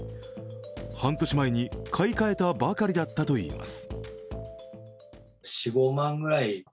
半年前に買い替えたばかりだったといいます。